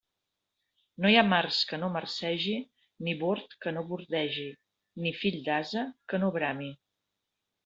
No hi ha març que no marcegi, ni bord que no bordegi, ni fill d'ase que no brami.